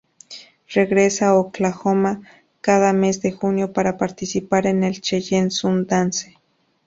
Regresa a Oklahoma cada mes de junio para participar en el Cheyenne Sun Dance.